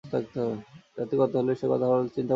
রাত্রি কত হইল সে কথা হরলাল চিন্তাও করিল না ।